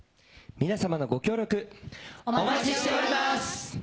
皆様のご協力、お待ちしております。